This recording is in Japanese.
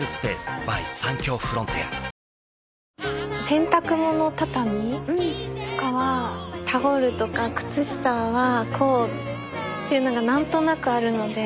洗濯物畳みとかはタオルとか靴下はこうっていうのがなんとなくあるので。